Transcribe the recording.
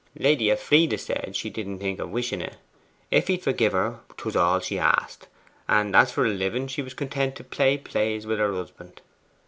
Lady Elfride said she didn't think of wishing it; if he'd forgie her 'twas all she asked, and as for a living, she was content to play plays with her husband.